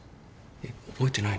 全然覚えてない。